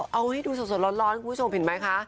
เอาให้ดูสดร้อนคุณผู้ชมเห็นไหมคะ